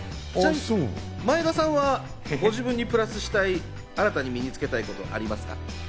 前田さんはご自分にプラスしたい、新たに身につけたいことはありますか？